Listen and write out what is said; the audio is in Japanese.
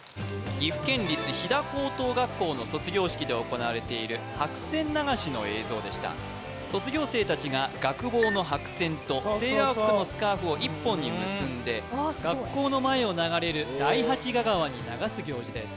岐阜県立斐太高等学校の卒業式で行われている白線流しの映像でした卒業生たちが学帽の白線とセーラー服のスカーフを１本に結んで学校の前を流れる大八賀川に流す行事です